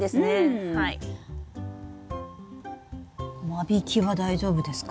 間引きは大丈夫ですか？